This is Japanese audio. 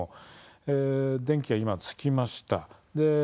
電気が今つきました。